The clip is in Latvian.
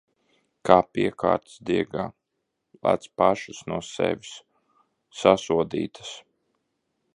Kā piekārtas diegā... Lec pašas no sevis! Sasodītas!